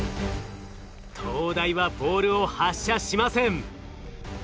東大はボールを発射しません。